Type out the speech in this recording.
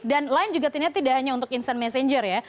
dan line juga ternyata tidak hanya untuk instant messenger ya